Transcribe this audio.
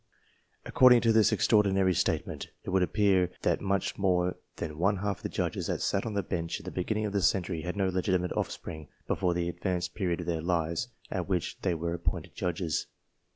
According to this extraordinary statement, it would appear that much more than one half of the judges that sat on the Bench in the beginning of this century, had no legitimate offspring before the advanced period of their lives at which they were appointed judges.